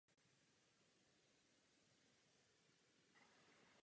Po ustanovení Rakouska je uváděn jako federální zahradník.